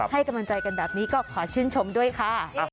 ให้กำลังใจกันแบบนี้ก็ขอชื่นชมด้วยค่ะ